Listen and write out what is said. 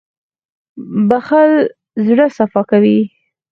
• بښل زړه صفا کوي.